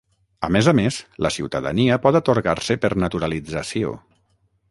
A més a més, la ciutadania pot atorgar-se per naturalització.